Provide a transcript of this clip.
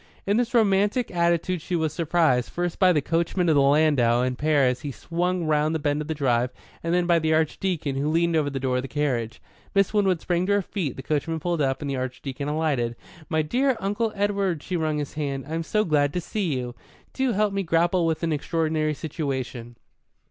In this romantic attitude was she surprised, first by the coachman of the landau and pair as he swung round the bend of the drive, and then by the Archdeacon, who leaned over the door of the carriage. Miss Winwood sprang to her feet; the coachman pulled up, and the Archdeacon alighted. "My dear Uncle Edward" she wrung his hand "I'm so glad to see you. Do help me grapple with an extraordinary situation."